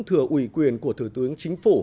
thừa ủy quyền của thứ tướng chính phủ